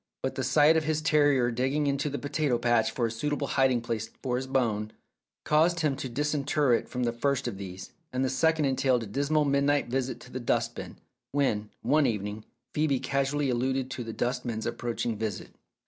But the sight of his terrier digging in the potato patch for a suitable hiding place for his bone, caused him to disinter it from the first of these, and the second entailed a dismal midnight visit to the dust bin, when, one evening, Phcebe casually alluded to the dustman's approach ing visit.